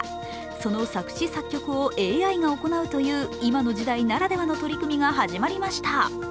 その作詞・作曲をＡＩが行うという、今の時代ならではの取り組みが始まりました。